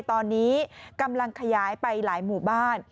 ตอนนี้กำลังขยายไปหลายหมู่บ้าน